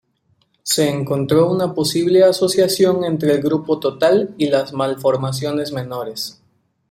Se encontró una posible asociación entre el grupo total y las malformaciones menores.